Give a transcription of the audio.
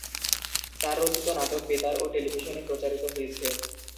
তার রচিত নাটক বেতার ও টেলিভিশনে প্রচারিত হয়েছে।